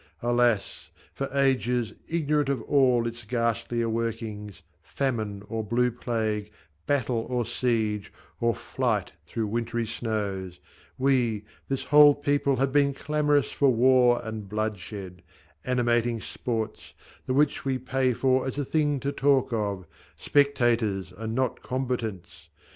Alas ! for ages ignorant of all Its ghastlier workings, (famine or blue plague, Battle, or siege, or flight through wintry snows,) We, this whole people, have been clamorous For war and bloodshed ; animating sports, The which we pay for as a thing to talk of, Spectators and not combatants